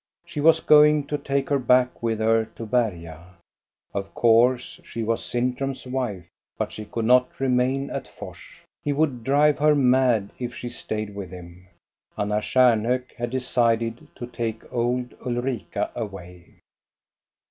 She was going to take her back with her to Berga. Of course, she was Sintram's wife, but she could not remain at Fors. He would drive her mad if she stayed with him. Anna Stjarnhok had decided to take old Ulrika away.